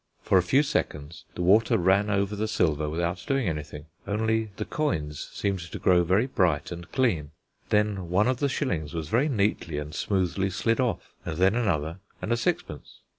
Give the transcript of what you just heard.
For a few seconds the water ran over the silver without doing anything: only the coins seemed to grow very bright and clean. Then one of the shillings was very neatly and smoothly slid off, and then another and a sixpence.